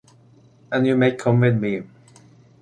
And you may come with me.